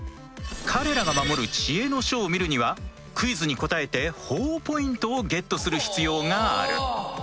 彼らが守る知恵の書を見るにはクイズに答えてほぉポイントをゲットする必要がある。